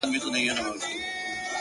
هغه په روغ زړه اگاه نه ده بيا يې وويله”